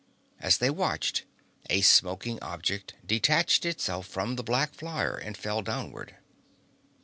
As they watched a smoking object detached itself from the black flyer and fell downward.